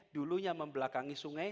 dulunya membelakangi sungai